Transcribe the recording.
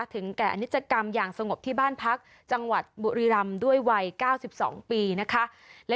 แก่อนิจกรรมอย่างสงบที่บ้านพักจังหวัดบุรีรำด้วยวัย๙๒ปีนะคะ